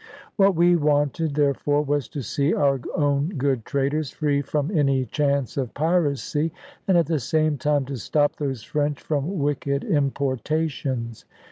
What we wanted, therefore, was to see our own good traders free from any chance of piracy, and at the same time to stop those French from wicked importations.